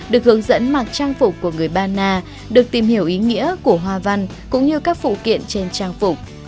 được hướng dẫn mặc trang phục của người ba na được tìm hiểu ý nghĩa của hoa văn cũng như các phụ kiện trên trang phục